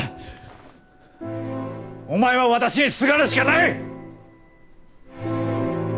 お前は私にすがるしかない！